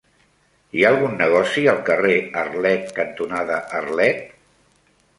Hi ha algun negoci al carrer Arlet cantonada Arlet?